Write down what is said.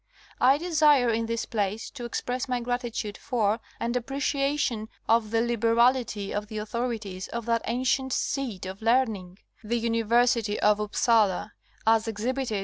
I desire in this place to express my gratitude for and appreciation of the liberality of the authorities of that ancient seat of learning, the University of Upsala, as exhibited.